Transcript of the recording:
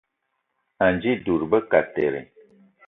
Anji dud be kateré